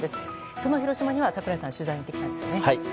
その広島には、櫻井さんが取材に行ってきたんですよね。